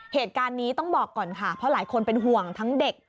เหตุการณ์นี้ต้องบอกก่อนค่ะเพราะหลายคนเป็นห่วงทั้งเด็ก